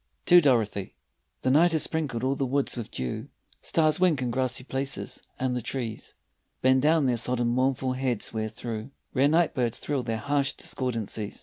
TO DOROTHY THE night has sprinkled all the woods with dew, Stars wink in grassy places, and the trees Bend down their sodden mournful heads where through Rare night birds thrill their harsh discordancies.